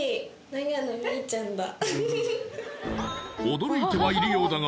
驚いてはいるようだが